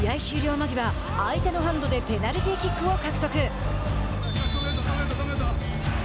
間際相手のハンドでペナルティーキックを獲得。